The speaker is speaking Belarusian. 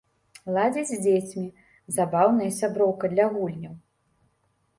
Ладзіць з дзецьмі, забаўная сяброўка для гульняў.